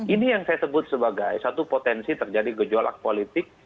ini yang saya sebut sebagai satu potensi terjadi gejolak politik